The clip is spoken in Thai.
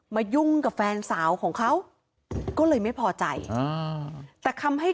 ยุ่งกับแฟนสาวของเขาก็เลยไม่พอใจแต่คำให้